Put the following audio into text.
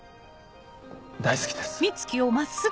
大好きです。